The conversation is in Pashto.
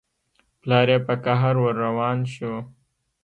پلار يې په قهر ور روان شو.